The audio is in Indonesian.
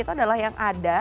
itu adalah yang ada